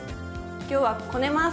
今日はこねます！